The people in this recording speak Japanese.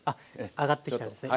上がってきたらですね。